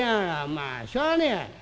まあしょうがねえや。